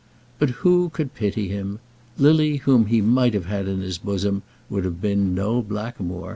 But who could pity him? Lily, whom he might have had in his bosom, would have been no blackamoor.